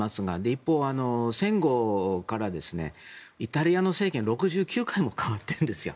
一方、戦後から、イタリアの政権６９回も代わってるんですよ。